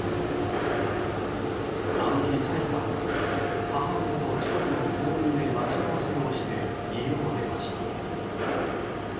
あの日、朝芽さんは母親と、近くの公園で待ち合わせをして家を出ました。